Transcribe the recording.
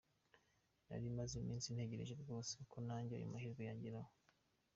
Nari maze iminsi ntegereje rwose ko nanjye ayo mahirwe yangeraho.